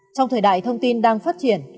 trong thời đại thông tin đang phát triển